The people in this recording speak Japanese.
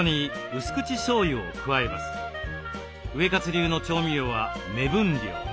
ウエカツ流の調味料は目分量。